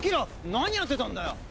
何やってたんだよ？